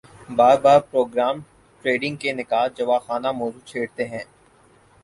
باربار programme trading کے نقّاد جواخانہ موضوع چھیڑتے ہیں